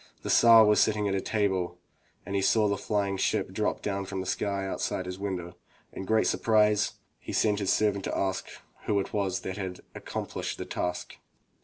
The Tsar was sitting at table when he saw the flying ship drop down from the sky just outside his window. In great surprise, he sent his servant to ask who it was that had accom plished the task.